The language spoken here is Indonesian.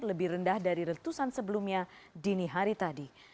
lebih rendah dari retusan sebelumnya dini hari tadi